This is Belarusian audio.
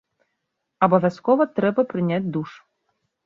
Абавязкова трэба прыняць душ.